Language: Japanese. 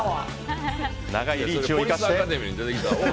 長いリーチを生かして。